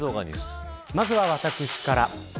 まずは私から。